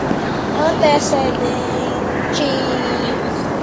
antecedente